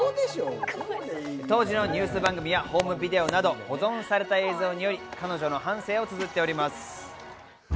当時のニュース番組やホームビデオなど保存された映像により彼女の半生をつづっております。